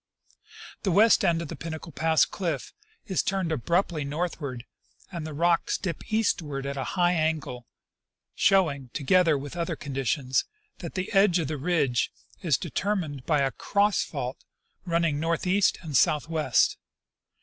The western end of the Pinnacle pass cliff is turned abruptly northward, and the rocks dip eastward at a high angle, showing, together with other conditions, that the end of the ridge is determined by a cross fault running northeast and southwest.